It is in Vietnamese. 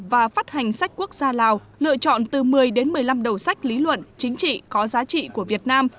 và phát hành sách quốc gia lào lựa chọn từ một mươi đến một mươi năm đầu sách lý luận chính trị có giá trị của việt nam